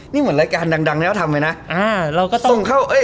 นี่เหมือนรายการดังดังแล้วทำเลยนะอ่าเราก็ต้องส่งเข้าเอ้ย